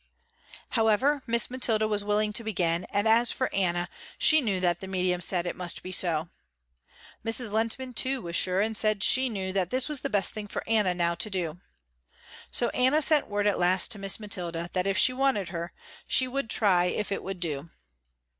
However, Miss Mathilda was willing to begin and as for Anna, she knew that the medium said it must be so. Mrs. Lehntman, too, was sure, and said she knew that this was the best thing for Anna now to do. So Anna sent word at last to Miss Mathilda, that if she wanted her, she would try if it would do.